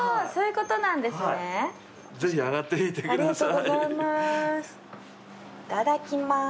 いただきます。